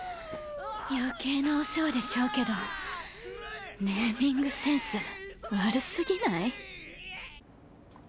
余計なお世話でしょうけどネーミングセンス悪すぎない？